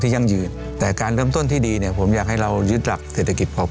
ยั่งยืนแต่การเริ่มต้นที่ดีเนี่ยผมอยากให้เรายึดหลักเศรษฐกิจพอ